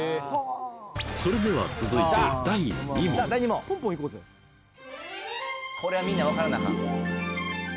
それでは続いて第２問これはみんな分からなアカン